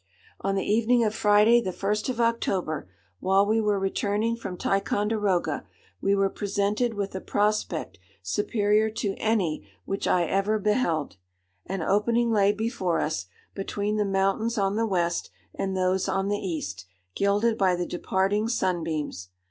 "On the evening of Friday, the 1st of October, while we were returning from Ticonderoga, we were presented with a prospect superior to any which I ever beheld. An opening lay before us, between the mountains on the west and those on the east, gilded by the departing sunbeams.